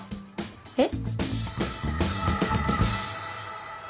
えっ？